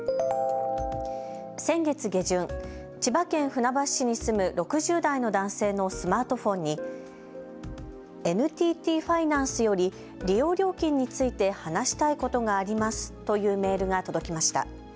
先月下旬、千葉県船橋市に住む６０代の男性のスマートフォンにＮＴＴファイナンスより利用料金について話したいことがありますというメールが届きました。